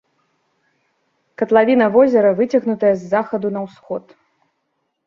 Катлавіна возера выцягнутая з захаду на ўсход.